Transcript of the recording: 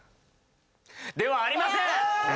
ではありません。